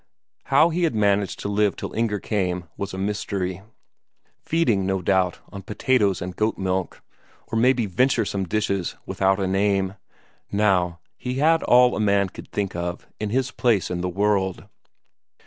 How he had managed to live till Inger came was a mystery; feeding, no doubt, on potatoes and goats' milk, or maybe venturesome dishes without a name; now, he had all that a man could think of in his place in the world.